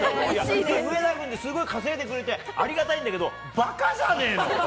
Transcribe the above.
上田軍、すごい稼いでくれてありがたいんだけど馬鹿じゃねえの？